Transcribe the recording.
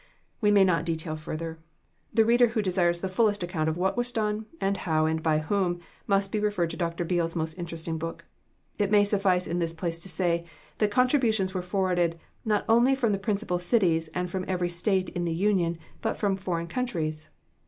We may not detail further. The reader who desires the fullest account of what was done, and how, and by whom, must be referred to Dr. Beale's most interesting book. It may suffice in this place to say, that contributions were forwarded, not only from the principal cities and from every State in the Union, but from foreign countries.